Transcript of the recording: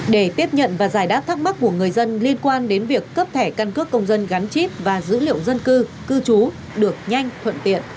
để tiếp nhận và giải đáp thắc mắc của người dân liên quan đến việc cấp thẻ căn cước công dân gắn chip và dữ liệu dân cư cư trú được nhanh thuận tiện